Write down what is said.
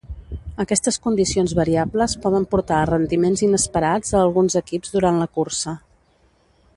Aquestes condicions variables poden portar a rendiments inesperats a alguns equips durant la cursa.